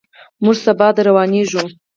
موږ سبا درروانېږو.